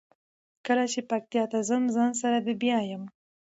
کله چې پکتیا ته ځم ځان سره دې بیایمه.